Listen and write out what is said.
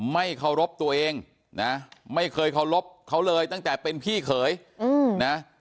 ไม่เคารพตัวเองนะไม่เคยเคารพเขาเลยตั้งแต่เป็นพี่เขยนะ